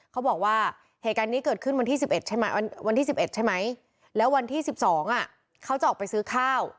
เขาบอกว่าเหตุการณ์นี้เกิดขึ้นวันที่๑๑ใช่ไหมแล้ววันที่๑๒อะเขาจะออกไปซื้อข้าว